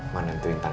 mana itu yang penting